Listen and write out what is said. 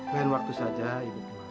lain waktu saja ibu